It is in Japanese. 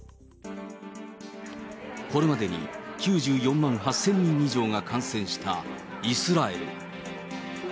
これまでに９４万８０００人以上が感染したイスラエル。